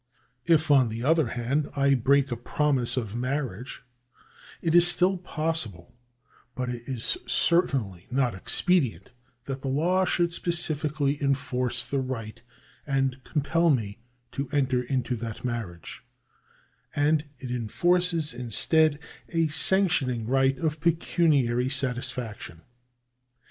If on the other hand I break a promise of marriage, it is still possible, but it is certainly not expedient, that the law should specifically enfoi'ce the right, and compel me to enter into that marriage ; and it enforces instead a sanctioning right of pecuniary satisfaction.